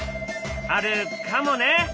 あるかもね！？